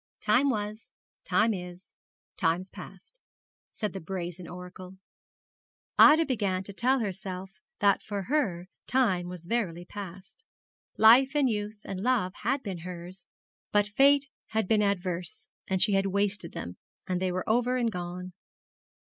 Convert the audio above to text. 'Time was, time is, time's past,' said the brazen oracle. Ida began to tell herself that for her time was verily past. Life, and youth, and love had been hers; but fate had been adverse, and she had wasted them, and they were over and gone.